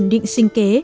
ổn định sinh kế